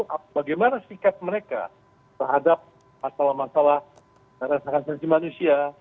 itu bagaimana sikap mereka terhadap masalah masalah anggota hak asasi manusia